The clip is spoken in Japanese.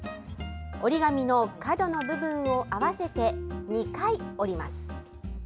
折り紙の角の部分を合わせて２回折ります。